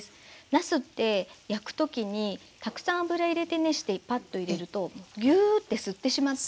なすって焼く時にたくさん油入れて熱してパッと入れるとギューッて吸ってしまって。